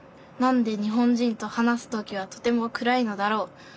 なんで日本人と話す時はとても暗いのだろう？